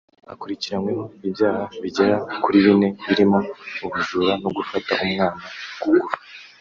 Akurikiranyweho ibyaha bigera kuri bine birimo ubujura no gufata umwana ku ngufu